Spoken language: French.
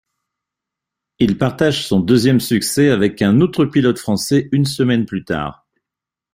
Il partage son deuxième succès avec un autre pilote français une semaine plus tard.